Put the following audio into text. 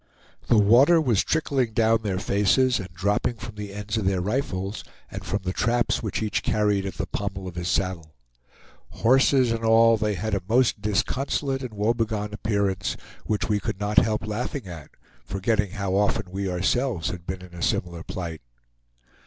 The water was trickling down their faces, and dropping from the ends of their rifles, and from the traps which each carried at the pommel of his saddle. Horses and all, they had a most disconsolate and woebegone appearance, which we could not help laughing at, forgetting how often we ourselves had been in a similar plight.